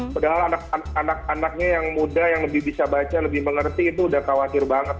padahal anak anaknya yang muda yang lebih bisa baca lebih mengerti itu udah khawatir banget